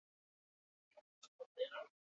Granadako kapitain nagusi izendatu zuten ondoren.